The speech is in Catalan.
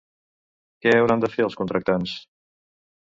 Què hauran de fer els contractants?